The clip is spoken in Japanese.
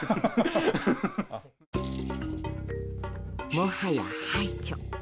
もはや廃虚。